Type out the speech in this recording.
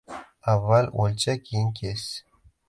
• Avval o‘lcha, keyin kes.